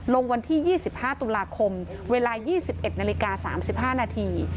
ลงวันที่๒๕ตุลาคมเวลา๒๑นาฬิกา๓๕นาที